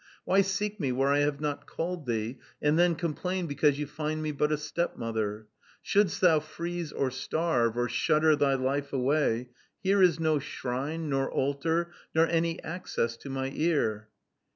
Why seek me where I have not called thee, and then complain because you find me but a stepmother? Shouldst thou freeze or starve, or shudder thy life away, here is no shrine, nor altar, nor any access to my ear.